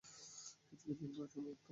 কিছু জিনিস না শোনাও উওম।